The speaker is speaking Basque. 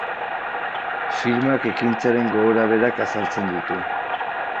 Filmak ekintzaren gorabeherak azaltzen du.